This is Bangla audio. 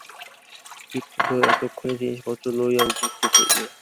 ভৃত্যের দল এতক্ষণে জিনিসপত্র লইয়া উপস্থিত হইল।